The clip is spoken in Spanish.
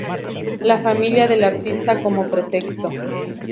La familia del artista como pretexto".